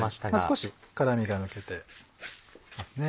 少し辛みが抜けてますね。